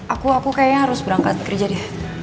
aku aku kayaknya harus berangkat kerja deh